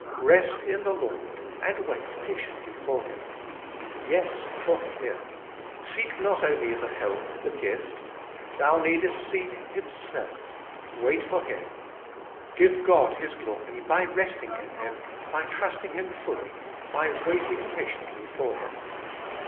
* 'Rest in the Lord, and wait patiently for Him.' Yes, for Him. Seek not only the help, the gift, thou needest seek : Himself ; wait FOR Him. Give God His glory by resting in Him, by trusting him fully, by waiting patiently for Him.